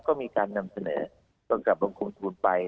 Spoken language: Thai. ก็มีการนำเสนอต้องการบังคุมสูญไป